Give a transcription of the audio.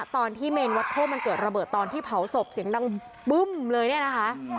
เมนวัดโคกมันเกิดระเบิดตอนที่เผาศพเสียงดังปึ้มเลยเนี่ยนะคะ